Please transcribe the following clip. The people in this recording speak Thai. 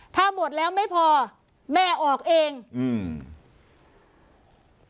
ถ้าหมดแล้วไม่พอแม่ออกเองอืม